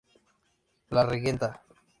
La Regenta.